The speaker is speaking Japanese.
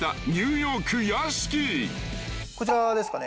こちらですかね？